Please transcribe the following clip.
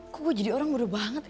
kok gue jadi orang bodoh banget ya